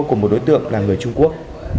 của một đối tượng là người trung quốc